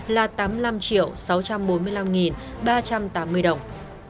là tám mươi năm triệu sáu trăm bốn mươi năm nghìn ba trăm tám mươi đồng